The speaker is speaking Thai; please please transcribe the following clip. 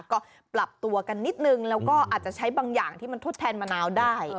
ก็ปรับตัวกันนิดนึงแล้วก็อาจจะใช้บางอย่างที่มันทดแทนมะนาวได้